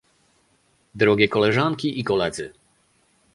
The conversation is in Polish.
Drogie Koleżanki i Koledzy